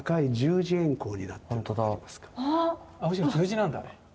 十字なんだね？